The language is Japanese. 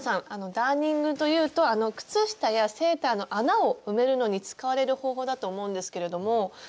ダーニングというと靴下やセーターの穴を埋めるのに使われる方法だと思うんですけれども今回の作品はちょっと違いますよね？